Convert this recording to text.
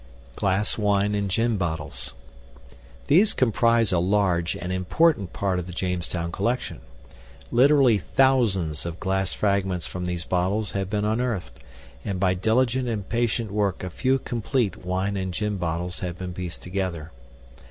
GLASS WINE AND GIN BOTTLES These comprise a large and important part of the Jamestown collection. Literally thousands of glass fragments from these bottles have been unearthed, and by diligent and patient work a few complete wine and gin bottles have been pieced together.